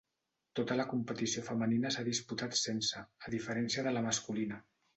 Tota la competició femenina s’ha disputat sense, a diferència de la masculina.